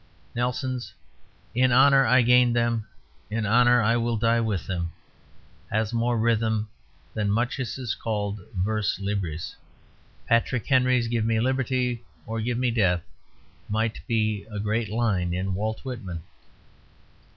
Nelson's "In honour I gained them, in honour I will die with them," has more rhythm than much that is called vers libres. Patrick Henry's "Give me liberty or give me death" might be a great line in Walt Whitman.